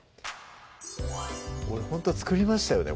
俺ほんと作りましたよね